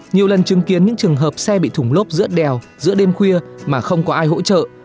nhiều lần chứng kiến những trường hợp xe bị thủng lốp giữa đèo giữa đêm khuya mà không có ai hỗ trợ